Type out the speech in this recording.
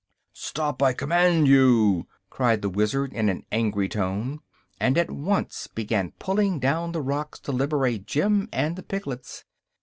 "Stop, I command you!" cried the Wizard, in an angry tone, and at once began pulling down the rocks to liberate Jim and the piglets.